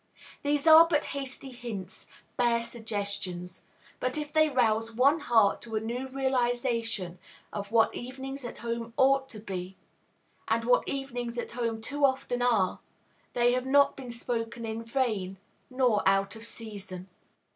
These are but hasty hints, bare suggestions. But if they rouse one heart to a new realization of what evenings at home ought to be, and what evenings at home too often are, they have not been spoken in vain nor out of season.